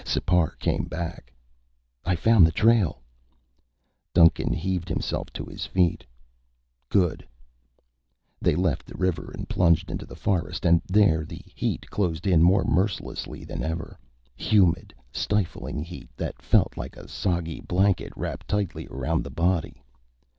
Sipar came back. "I found the trail." Duncan heaved himself to his feet. "Good." They left the river and plunged into the forest and there the heat closed in more mercilessly than ever humid, stifling heat that felt like a soggy blanket wrapped tightly round the body.